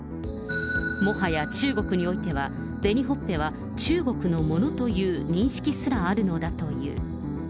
もはや中国においては、紅ほっぺは中国のものという認識すらあるのだという。